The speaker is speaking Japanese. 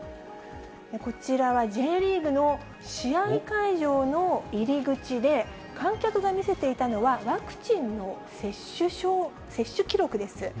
こちらはＪリーグの試合会場の入り口で、観客が見せていたのはワクチンの接種記録です。